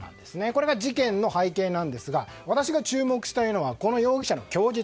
これが事件の背景なんですが私が注目したいのはこの容疑者の供述。